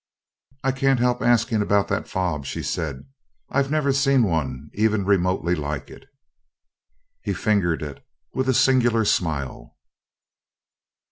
"I can't help asking about that fob," she said. "I've never seen one even remotely like it." He fingered it with a singular smile.